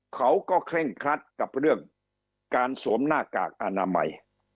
เขาก็เคร่งครัดกับเรื่องการสวมหน้ากากอนามัย